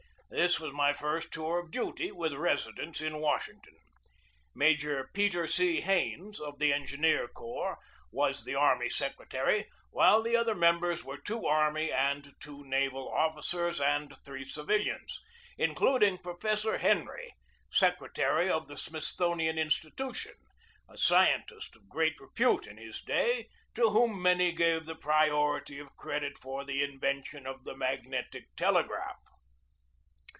This was my first tour of duty with residence in Washington. Major Peter C. Hains, of the engineer corps, was the army secretary, while the other members were two army and two naval officers, and three civilians, including Professor Henry, secretary of the Smithsonian Institution, a scientist of high repute in his day, to whom many gave the priority of credit for the invention of the magnetic telegraph.